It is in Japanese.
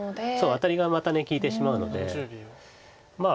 アタリがまた利いてしまうのでまあ